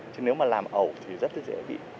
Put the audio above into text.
chứ nếu mà làm ẩu thì rất là dễ bị